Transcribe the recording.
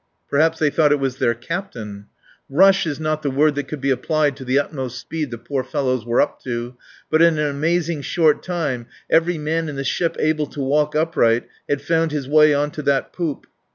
Perhaps they thought it was their captain? Rush is not the word that could be applied to the utmost speed the poor fellows were up to; but in an amazing short time every man in the ship able to walk upright had found his way on to that poop.